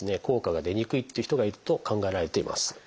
効果が出にくいっていう人がいると考えられています。